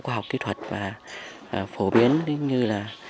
khoa học kỹ thuật và phổ biến như là